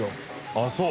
ああそう。